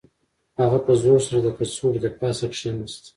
هغه په زور سره د کڅوړې د پاسه کښیناست